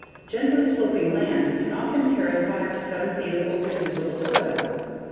Gently sloping land can often carry 5 to 7 feet of open, usable soil.